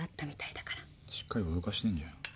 しっかり脅かしてんじゃん。